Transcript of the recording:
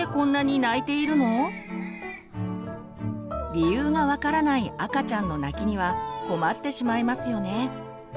理由が分からない赤ちゃんの泣きには困ってしまいますよね。